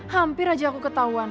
hampir aja aku ketauan